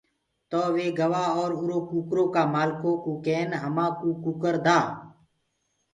تو وي گوآ اور اُرو ڪٚڪَرو ڪآ مآلکو ڪوُ ڪين همآ ڪوٚ ڪٚڪَر دآ۔